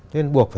nên buộc phải